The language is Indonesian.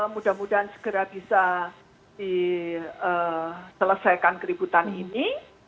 mudah mudahan segera bisa diselesaikan keributan ini